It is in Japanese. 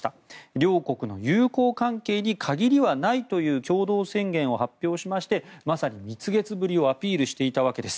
両国の友好関係に陰りはないという共同宣言を発表しまして、まさに蜜月ぶりをアピールしていたわけです。